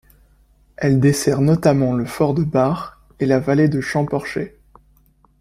Elle dessert notamment le fort de Bard et la vallée de Champorcher.